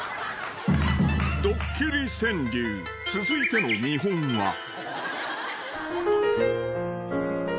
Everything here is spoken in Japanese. ［続いての見本は］